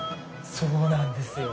そうなんですよ。